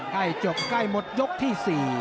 ใกล้จบใกล้หมดยกที่๔